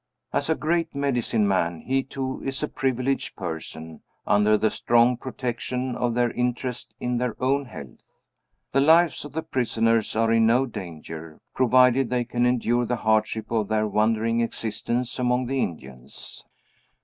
As a 'great medicine man,' he too is a privileged person under the strong protection of their interest in their own health. The lives of the prisoners are in no danger, provided they can endure the hardship of their wandering existence among the Indians.